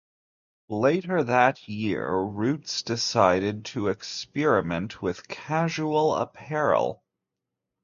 Later that year, Roots decided to experiment with casual apparel.